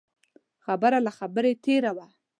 خبره له خبرې تېره وه.